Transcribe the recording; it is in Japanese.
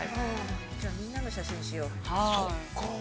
◆じゃあ、みんなの写真にしよう。